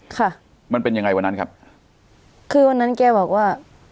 ค่ะมันเป็นยังไงวันนั้นครับคือวันนั้นแกบอกว่า